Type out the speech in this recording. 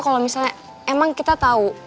kalau misalnya emang kita tahu